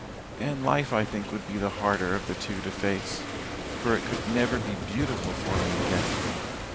And life, I think, would be the harder of the two to face for it could never be beautiful for me again.